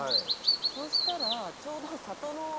そしたらちょうど。